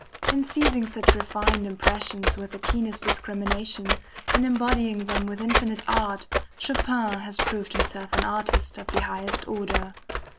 In seizing such refined impressions with the keenest discrimination, in embodying them with infinite art, Chopin has proved himself an artist of the highest order.